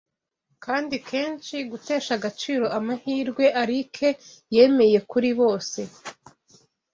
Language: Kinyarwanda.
Kandi kenshi, gutesha agaciro amahirwe Alike yemeye kuri bose